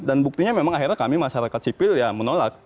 dan buktinya memang akhirnya kami masyarakat sipil ya menolak